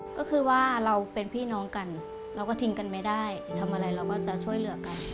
ก็คือว่าเราเป็นพี่น้องกันเราก็ทิ้งกันไม่ได้ทำอะไรเราก็จะช่วยเหลือกัน